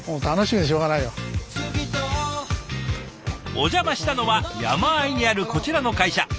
お邪魔したのは山あいにあるこちらの会社。